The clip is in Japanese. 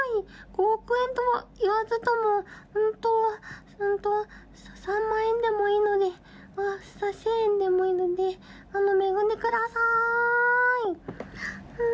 ５億円とは言わずとも、うーんと、うーんと、３万円でもいいので、１０００円でもいいので、恵んでくださーい。